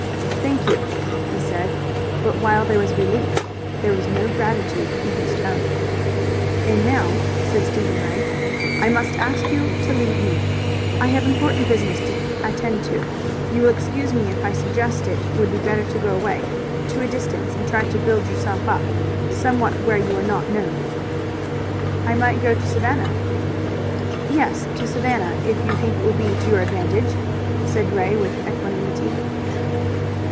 "Thank you," he said, but while there was relief there was no gratitude in his tone. "And now," said Stephen Ray, "I must ask you to leave me. I have important business to attend to. You will excuse me if I suggest it would be better to go away to a distance and try to build yourself up somewhat where you are not known." "I might go to Savannah." "Yes, to Savannah, if you think it will be to your advantage," said Ray with equanimity.